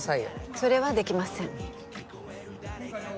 それはできません